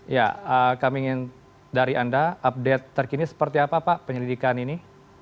ya kami ingin dari anda update terkini seperti apa pak penyelidikan ini